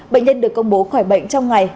bệnh nhân được công bố khỏi bệnh trong ngày